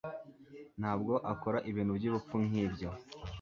Ntabwo akora ibintu byubupfu nkibyo